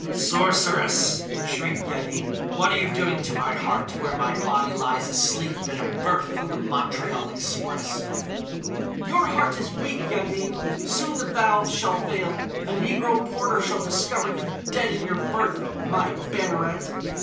"Sorceress!" shrieked Yaddin, "what are you doing to my heart, where my body lies asleep in a berth on the Montreal Express!" "Your heart is weak, Yaddin. Soon the valves shall fail. A negro porter shall discover you dead in your berth, my Banneret!"